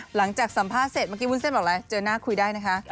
หลังจากสัมภาษณ์เสร็จเมื่อกี้วุ้นเส้นบอกอะไรเจอหน้าคุยได้นะคะ